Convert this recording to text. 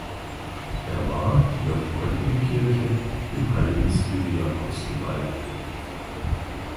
Er war (wie auch die heutige Kirche) dem heiligen Cyriakus geweiht.